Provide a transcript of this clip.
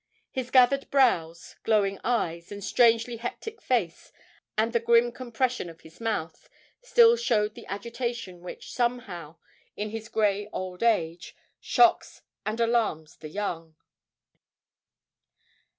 His gathered brows, glowing eyes, and strangely hectic face, and the grim compression of his mouth, still showed the agitation which, somehow, in grey old age, shocks and alarms the young.